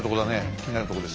気になるとこです。